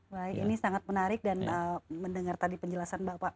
baik ini sangat menarik dan mendengar tadi penjelasan bapak